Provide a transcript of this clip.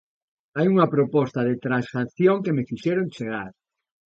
Hai unha proposta de transacción que me fixeron chegar.